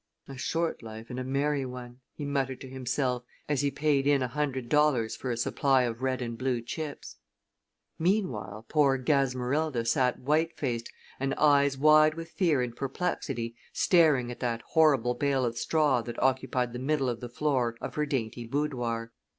"A short life and a merry one!" he muttered to himself, as he paid in a hundred dollars for a supply of red and blue chips. [Illustration: POOR GASMERILDA SAT WHITE FACED] Meanwhile, poor Gasmerilda sat white faced, and eyes wide with fear and perplexity, staring at that horrible bale of straw that occupied the middle of the floor of her dainty boudoir.